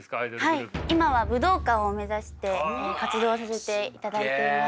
今は武道館を目指して活動させていただいています。